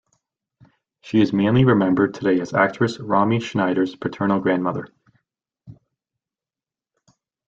She is mainly remembered today as actress Romy Schneider's paternal grandmother.